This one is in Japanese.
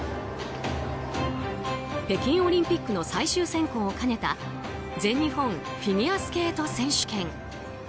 北京オリンピックの最終選考を兼ねた全日本フィギュアスケート選手権。